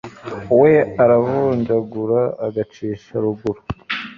we aravunjagura agacisha ruguru